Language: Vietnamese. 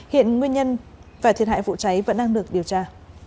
hiện nguyên nhân và thiệt hại vụ cháy vẫn đang được điều tra